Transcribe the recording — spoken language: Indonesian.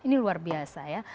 ini luar biasa ya